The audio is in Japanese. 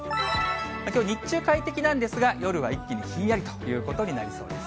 きょう日中、快適なんですが、夜は一気にひんやりということになりそうです。